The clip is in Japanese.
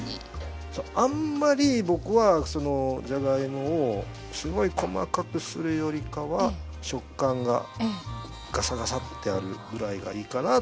そうあんまり僕はそのじゃがいもをすごい細かくするよりかは食感がガサガサッてあるぐらいがいいかなと僕は思います。